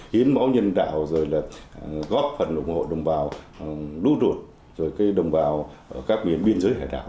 hiến mẫu nhân đạo rồi là góp phần ủng hộ đồng bào lũ ruột rồi cái đồng bào các biến biên giới hải đảo